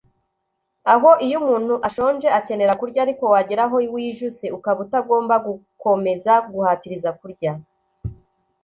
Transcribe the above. aho iyo umuntu ashonje akenera kurya ariko wagera aho wijuse ukaba utagomba gukomeza guhatirizwa kurya